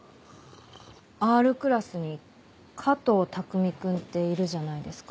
Ｒクラスに加藤匠君っているじゃないですか。